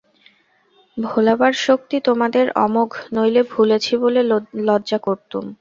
ভোলাবার শক্তি তোমাদের অমোঘ, নইলে ভুলেছি বলে লজ্জা করতুম।